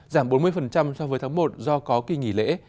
giảm bốn mươi so với tháng một do có kỳ nghỉ lễ